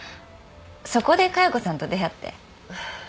そこで加代子さんと出会って。